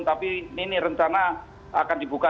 tapi ini rencana akan dibuka